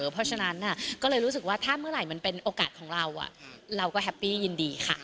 เพราะฉะนั้นก็เลยรู้สึกว่าถ้าเมื่อไหร่มันเป็นโอกาสของเราเราก็แฮปปี้ยินดีค่ะ